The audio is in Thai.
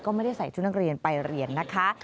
ก็ไม่ได้ใส่ชุดนักเรียนไปเรียนนะคะ